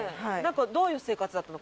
どういう生活だったの？